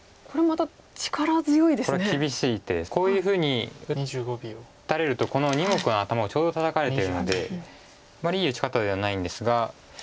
こういうふうに打たれるとこの２目の頭をちょうどタタかれてるのであまりいい打ち方ではないんですが。